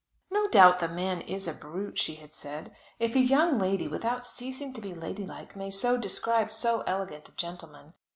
"No doubt the man is a brute," she had said, "if a young lady, without ceasing to be ladylike, may so describe so elegant a gentleman.